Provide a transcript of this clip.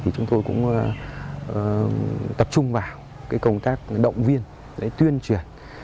chúng tôi cũng tập trung vào công tác động viên tuyên truyền